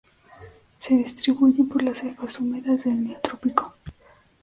Se distribuyen por las selvas húmedas del neotrópico.